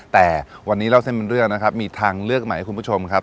แต่วันนี้เล่าเส้นเป็นเรื่องนะครับมีทางเลือกใหม่ให้คุณผู้ชมครับ